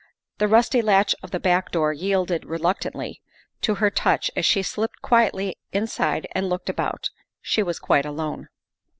The rusty latch of the back door yielded reluctantly, to her touch as she slipped quietly inside and looked about. She was quite alone.